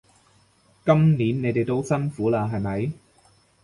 今年你哋都辛苦喇係咪？